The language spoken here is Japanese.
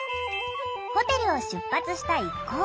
ホテルを出発した一行。